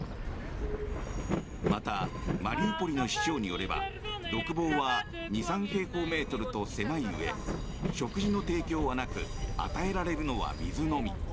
また、マリウポリの市長によれば独房は２３平方メートルと狭いうえ食事の提供はなく与えられるのは水のみ。